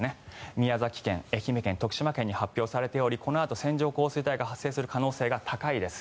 宮崎県、愛媛県、徳島県に発表されておりこのあと線状降水帯が発生する可能性が高いです。